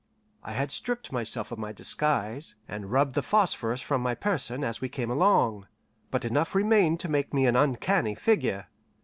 I had stripped myself of my disguise, and rubbed the phosphorus from my person as we came along, but enough remained to make me an uncanny figure.